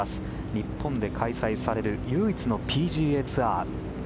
日本で開催される唯一のＰＧＡツアー。